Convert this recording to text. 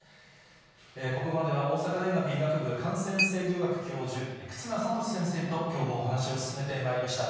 ここまでは大阪大学医学部感染制御学教授、忽那賢志先生ときょうもお話を進めてまいりました。